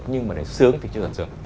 nhưng mà này sướng thì chưa đạt sướng